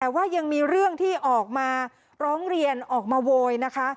แต่ว่ายังมีเรื่องที่ออกมาร้องเรียนออกมาโวยนะคะ